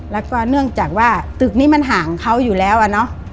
แล้วก็เนื่องจากว่าตึกนี้มันห่างเขาอยู่แล้วอะเนาะ